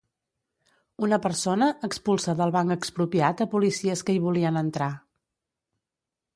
Una persona expulsa del Banc Expropiat a policies que hi volien entrar